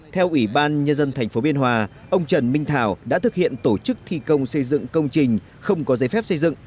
theo ubnd tp biên hòa ông trần minh thảo đã thực hiện tổ chức thi công xây dựng công trình không có giấy phép xây dựng